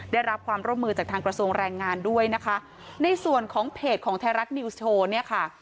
ได้รับความร่วมมือจากทางกระทรวงแรงงานด้วยนะคะในส่วนของเพจของไทยรัฐนิวส์โชว์เนี่ยค่ะ